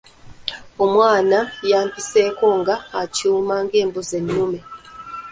Omwana yampiseeko nga akyuma ng’embuzi ennume.